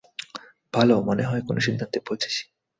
ভালো, মনে হয় কোনো সিদ্ধান্তে পৌঁছেছি।